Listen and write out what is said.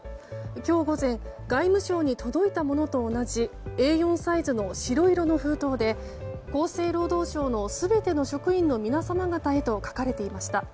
今日午前外務省に届いたものと同じＡ４サイズの白色の封筒で厚生労働省の全ての職員の皆様方へと書かれていました。